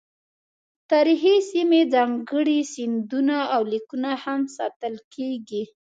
تاریخي سیمې، ځانګړي سندونه او لیکونه هم ساتل کیږي.